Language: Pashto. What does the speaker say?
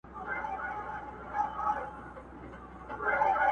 او دا بل جوال د رېګو چلومه،